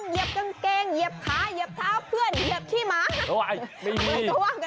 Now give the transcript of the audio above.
เหยียบกางเกงเหยียบขาเหยียบเท้าเพื่อนเหยียบขี้หมา